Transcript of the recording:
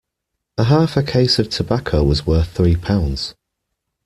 A half a case of tobacco was worth three pounds.